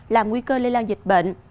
làm nguy cơ lây lan dịch bệnh